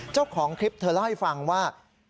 เจ้าของคลิปเธอเล่าให้ฟังว่า